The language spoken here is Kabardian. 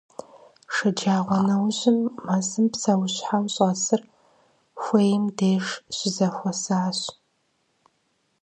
Шэджагъуэнэужьым мэзым псэущхьэу щӀэсыр хуейм деж щызэхуэсащ.